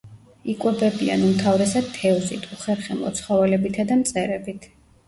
იკვებებიან უმთავრესად თევზით, უხერხემლო ცხოველებითა და მწერებით.